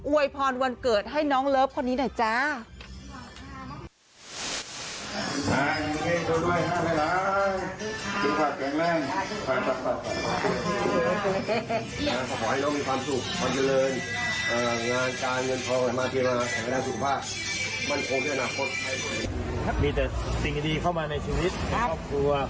วยพรวันเกิดให้น้องเลิฟคนนี้หน่อยจ้า